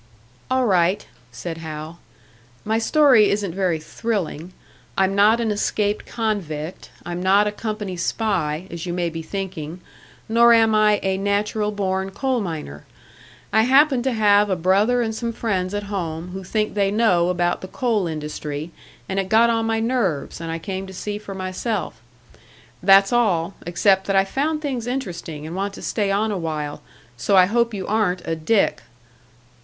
"All right," said Hal; "my story isn't very thrilling. I'm not an escaped convict, I'm not a company spy, as you may be thinking. Nor am I a 'natural born' coal miner. I happen to have a brother and some friends at home who think they know about the coal industry, and it got on my nerves, and I came to see for myself. That's all, except that I've found things interesting, and want to stay on a while, so I hope you aren't a 'dick'!"